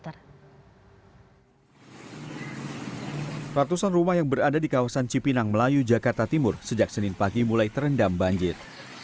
ratusan rumah yang berada di kawasan cipinang melayu jakarta timur sejak senin pagi mulai terendam banjir